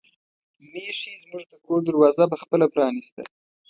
میښې زموږ د کور دروازه په خپله پرانیسته.